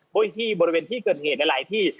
โดยที่บริเวณที่เกิดเหตุในหลายที่